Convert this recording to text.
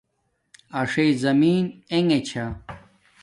اݽݵ زمین انݣے چھا